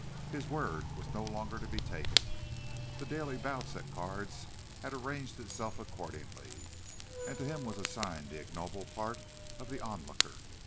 His word was no longer to be taken. The daily bouts at cards had arranged itself accordingly, and to him was assigned the ignoble part of the onlooker.